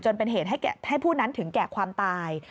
เป็นเหตุให้ผู้นั้นถึงแก่ความตาย